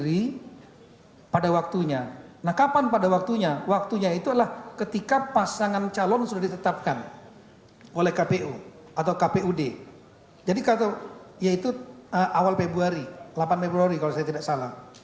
itu awal februari delapan februari kalau saya tidak salah